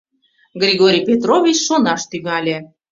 Григорий Петрович шонаш тӱҥале...